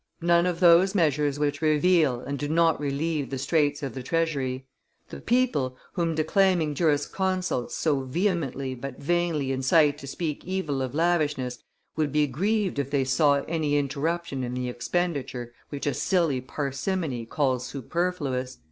None of those measures which reveal and do not relieve the straits of the treasury! The people, whom declaiming jurisconsults so vehemently but vainly incite to speak evil of lavishness, would be grieved if they saw any interruption in the expenditure which a silly parsimony calls superfluous."